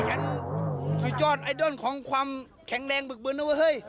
ฉันสุดยอดไอดอลของความแข็งแรงบึกบึนนะว่าเฮ้ย